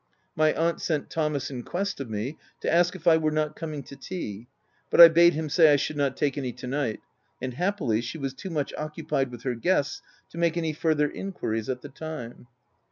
My aunt sent Thomas in quest of me, to ask if I were not coming to tea ; but I bade him say I should not take any to night ; and happily she was too much occupied with her guests to make any further enquiries at the time.